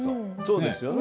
そうですよね。